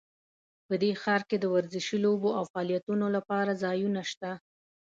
په دې ښار کې د ورزشي لوبو او فعالیتونو لپاره ځایونه شته